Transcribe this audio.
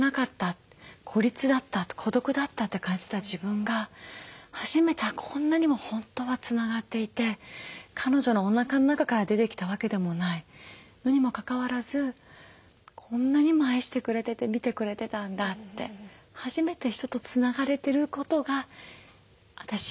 孤立だった孤独だったって感じた自分が初めてこんなにも本当はつながっていて彼女のおなかの中から出てきたわけでもないのにもかかわらずこんなにも愛してくれてて見てくれてたんだって初めて人とつながれてることが私生きようって。